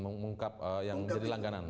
mengungkap yang jadi langganan